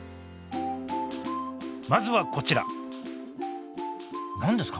まずはこちら何ですか？